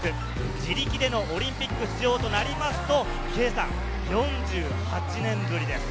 自力でのオリンピック出場となりますと、４８年ぶりです。